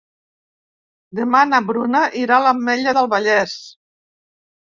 Demà na Bruna irà a l'Ametlla del Vallès.